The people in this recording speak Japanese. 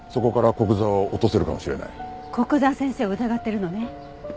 古久沢先生を疑ってるのね。